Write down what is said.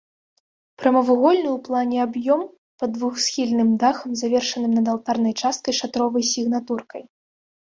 Прамавугольны ў плане аб'ём пад двухсхільным дахам, завершаным над алтарнай часткай шатровай сігнатуркай.